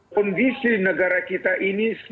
kondisi negara kita ini